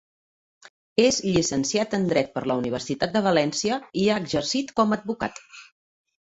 És llicenciat en dret per la Universitat de València i ha exercit com advocat.